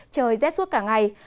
trời rét suốt cả ngày